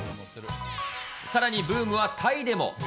さらにブームはタイでも。